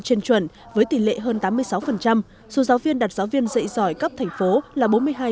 trên chuẩn với tỷ lệ hơn tám mươi sáu số giáo viên đặt giáo viên dạy giỏi cấp thành phố là bốn mươi hai